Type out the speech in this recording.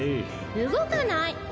動かない！